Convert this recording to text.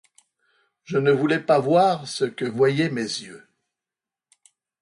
Je ne voulais pas voir ce que voyaient mes yeux !